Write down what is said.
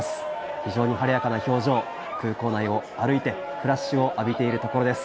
非常に晴れやかな表情、空港内を歩いて、フラッシュを浴びているところです。